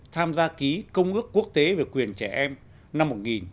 tham gia ký công ước quốc tế về quyền trẻ em năm một nghìn chín trăm tám mươi hai